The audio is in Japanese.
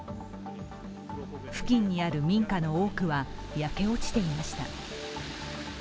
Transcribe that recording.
付近にある民家の多くは焼け落ちていました。